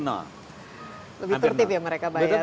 lebih tertib ya mereka bayar